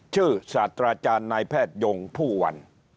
ศาสตราจารย์นายแพทยงผู้วัน